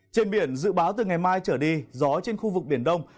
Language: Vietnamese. trên biển dự báo từ ngày mai trở đi gió trên khu vực biển đông